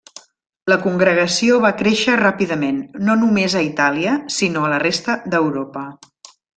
La congregació va créixer ràpidament, no només a Itàlia, sinó a la resta d'Europa.